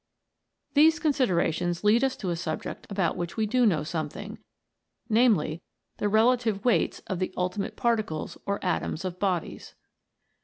These considerations lead us to a subject about 70 A LITTLE BIT. which we do know something, namely, the relative weights of the ultimate particles or atoms of bodies.